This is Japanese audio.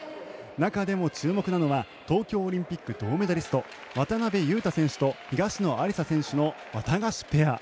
中でも注目なのは東京オリンピック銅メダリスト渡辺勇大選手と東野有紗選手のワタガシペア。